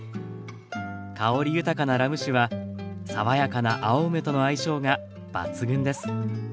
香り豊かなラム酒は爽やかな青梅との相性が抜群です。